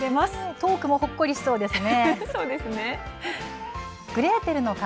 トークもほっこりしそうですね。